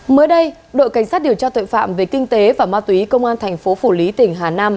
mới đây đội cảnh sát điều tra tội phạm về kinh tế và ma túy công an thành phố phủ lý tỉnh hà nam